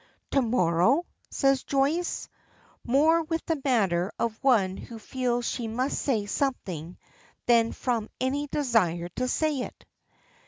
"To morrow?" says Joyce, more with the manner of one who feels she must say something than from any desire to say it.